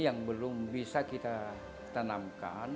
yang belum bisa kita tanamkan